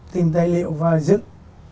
tìm tài liệu và dựng